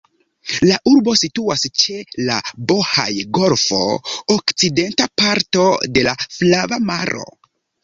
La urbo situas ĉe la Bohaj-golfo, okcidenta parto de la Flava Maro.